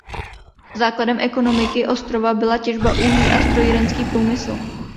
Základem ekonomiky ostrova byla těžba uhlí a strojírenský průmysl.